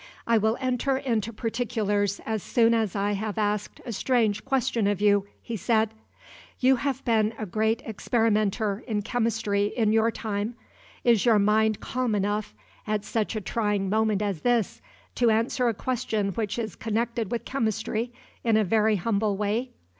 "I will enter into particulars as soon as I have asked a strange question of you," he said. "You have been a great experimenter in chemistry in your time is your mind calm enough, at such a trying moment as this, to answer a question which is connected with chemistry in a very humble way?